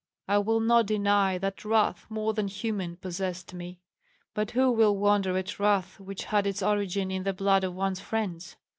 I will not deny that wrath more than human possessed me; but who will wonder at wrath which had its origin in the blood of one's friends?